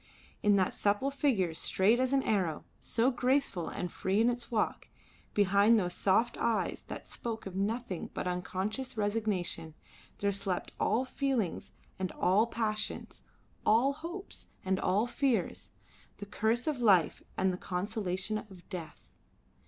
In that supple figure straight as an arrow, so graceful and free in its walk, behind those soft eyes that spoke of nothing but of unconscious resignation, there slept all feelings and all passions, all hopes and all fears, the curse of life and the consolation of death.